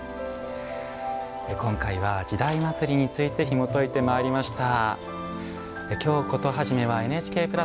今回は、「時代祭」についてひもといてまいりました。